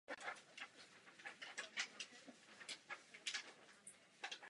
Je pojmenován po stejnojmenné hoře za městem.